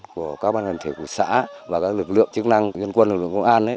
của các ban hành thể của xã và các lực lượng chức năng dân quân lực lượng công an